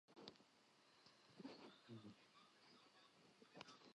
کەل-پەلی هەڕاج کرد و ڕۆیشت